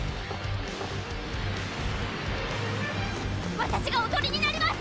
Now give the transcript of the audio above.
わたしがおとりになります！